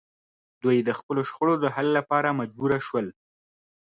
دوی د خپلو شخړو د حل لپاره مجبور شول